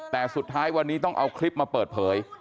แต่สุดท้ายวันนี้ต้องเอาคลิปมาเปิดเผย